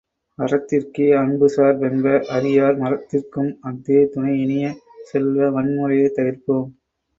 அறத்திற்கே அன்புசார் பென்ப அறியார் மறத்திற்கும் அஃதே துணை இனிய செல்வ, வன்முறையைத் தவிர்ப்போம்!